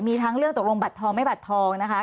มีทั้งเรื่องตกลงบัตรทองไม่บัตรทองนะคะ